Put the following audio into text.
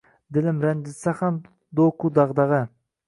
Dilim ranjitsa ham do’qu dag’dag’a